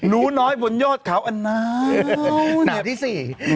หนูน้อยบนยอดเขาอันหนาวเนี่ยที่๔